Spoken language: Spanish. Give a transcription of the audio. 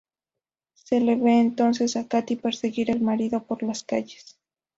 Se la ve entonces a Katy perseguir al marido por las calles.